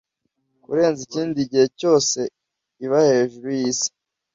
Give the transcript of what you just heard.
kurenza ikindi gihe cyose iba hejuru yisi